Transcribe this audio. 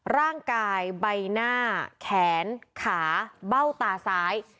ร่างกายใบหน้าแขนขาเบ้าตาซ้าย